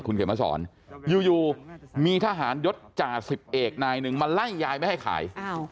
เขียนมาสอนอยู่มีทหารยศจ่าสิบเอกนายหนึ่งมาไล่ยายไม่ให้ขาย